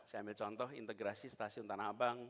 saya ambil contoh integrasi stasiun tanah abang